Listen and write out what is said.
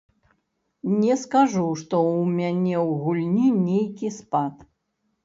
Не скажу, што ў мяне ў гульні нейкі спад.